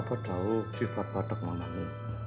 papa tahu sifat watak mamamu